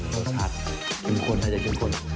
มันถัดขึ้นข้นถ้าจะขึ้นข้น